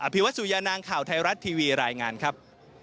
ภิวัตสุยานางข่าวไทยรัฐทีวีรายงานครับ